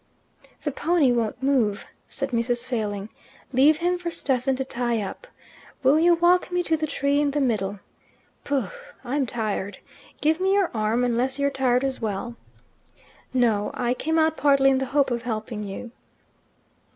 "The pony won't move," said Mrs. Failing. "Leave him for Stephen to tie up. Will you walk me to the tree in the middle? Booh! I'm tired. Give me your arm unless you're tired as well." "No. I came out partly in the hope of helping you."